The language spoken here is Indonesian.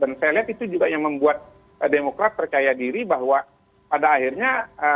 dan saya lihat itu juga yang membuat demokrasi percaya diri bahwa pada akhirnya